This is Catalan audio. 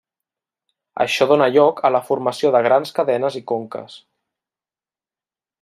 Això dóna lloc a la formació de grans cadenes i conques.